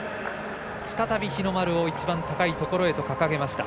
再び日の丸を一番高いところへ掲げました。